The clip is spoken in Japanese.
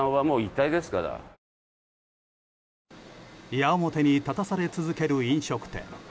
矢面に立たされ続ける飲食店。